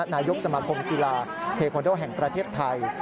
นายกสมาคมกีฬาเทคอนโดแห่งประเทศไทย